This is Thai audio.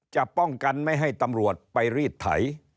จะป้องกันไม่ให้ตำรวจไปรีดไถ